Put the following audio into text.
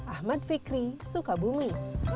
ahmad fikri sukabumi